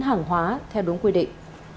hàng hóa theo đúng quy định